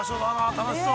楽しそう。